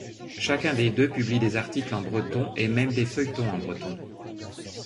Chacun des deux publie des articles en breton et même des feuilletons en breton.